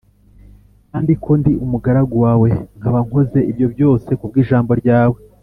kandi ko ndi umugaragu wawe nkaba nkoze ibyo byose ku bw’ijambo ryawe